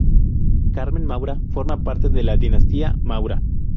Carmen Maura forma parte de la dinastía Maura.